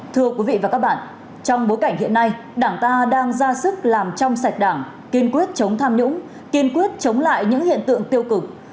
thưa quý vị và các bạn trong bối cảnh hiện nay đảng ta đang ra sức làm trong sạch đảng kiên quyết chống tham nhũng kiên quyết chống lại những hiện tượng tiêu cực